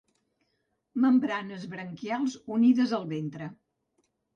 Membranes branquials unides al ventre.